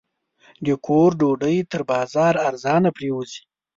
د کور ډوډۍ تر بازاره ارزانه پرېوځي.